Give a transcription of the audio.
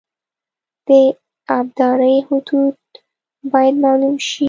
د ابدارۍ حدود باید معلوم شي